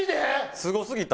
すごすぎた。